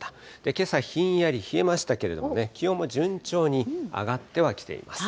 けさ、ひんやり冷えましたけどもね、気温も順調に上がってはきています。